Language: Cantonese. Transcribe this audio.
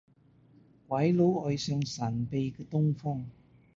鬼佬愛上神秘嘅東方